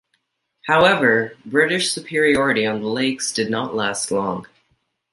However, British superiority on the lakes did not last long.